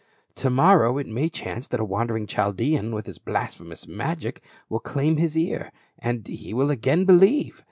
To morrow it may chance that a wandering Chaldean with his blasphemous magic will claim his ear ; he will again believe.